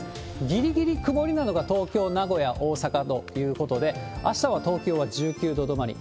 ぎりぎり曇りなのが東京、名古屋、大阪ということで、あしたは東京は１９度止まり。